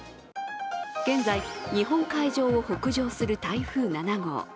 現在、日本海上を北上する台風７号。